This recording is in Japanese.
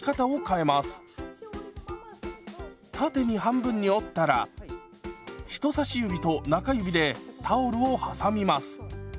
縦に半分に折ったら人差し指と中指でタオルを挟みます。